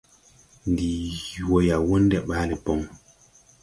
Ndi wɔ Yayunde ɓaale bɔn.